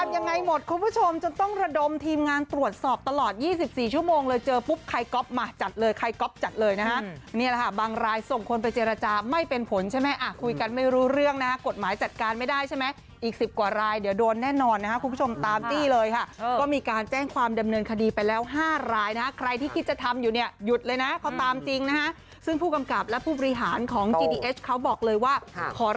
ยอดสุดยอดสุดยอดสุดยอดสุดยอดสุดยอดสุดยอดสุดยอดสุดยอดสุดยอดสุดยอดสุดยอดสุดยอดสุดยอดสุดยอดสุดยอดสุดยอดสุดยอดสุดยอดสุดยอดสุดยอดสุดยอดสุดยอดสุดยอดสุดยอด